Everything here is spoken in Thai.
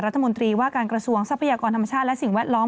รัฐมนตรีว่าการกระทรวงทรัพยากรธรรมชาติและสิ่งแวดล้อม